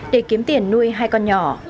để kiếm tiền nuôi hai con nhỏ